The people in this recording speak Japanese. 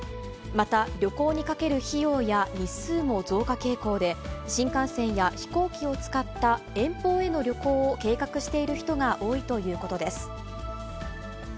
また、旅行にかける費用や日数も増加傾向で、新幹線や飛行機を使った遠方への旅行を計画している人が多いということです。